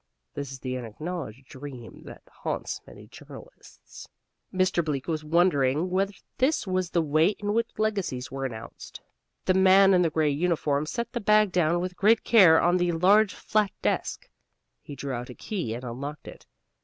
(This is the unacknowledged dream that haunts many journalists.) Mr. Bleak was wondering whether this was the way in which legacies were announced. The man in the gray uniform set the bag down with great care on the large flat desk. He drew out a key and unlocked it.